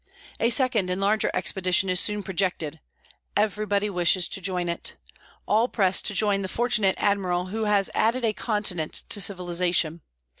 A second and larger expedition is soon projected. Everybody wishes to join it. All press to join the fortunate admiral who has added a continent to civilization.